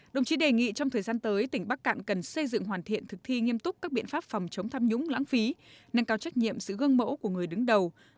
đồng chí đề nghị trong thời gian tới tỉnh bắc cạn cần xây dựng hoàn thiện thực thi nghiêm túc các biện pháp phòng chống tham nhũng lãng phí nâng cao trách nhiệm sự gương mẫu của người đứng đầu